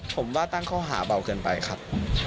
ผมว่าตั้งข้อหาเบาเกินไปครับ